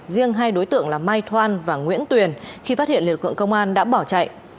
riêng hai đối tượng là mai thoan và nguyễn tuyền khi phát hiện lực lượng công an đã bỏ chạy